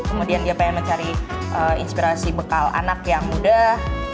kemudian dia pengen mencari inspirasi bekal anak yang mudah